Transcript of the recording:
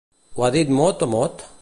Ho ha dit mot a mot?